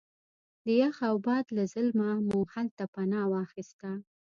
د یخ او باد له ظلمه مو هلته پناه واخسته.